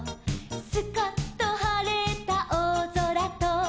「スカッとはれたおおぞらと」